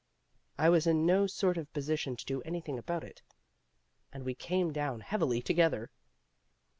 I was in no sort of position to do anything about it, and we came down heavily together.